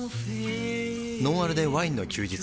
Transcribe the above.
「ノンアルでワインの休日」